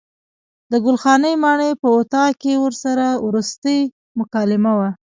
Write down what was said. د ګل خانې ماڼۍ په اطاق کې ورسره وروستۍ مکالمه وه.